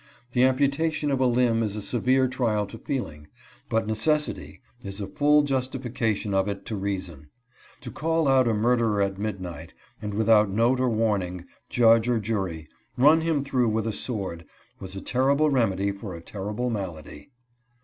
The amputation of a limb is a severe trial to feeling, but necessity is a full justification of it to rea son. To call out a murderer at midnight, and without note or warning, judge or jury, run him through with a sword, was a terrible remedy for a terrible malady.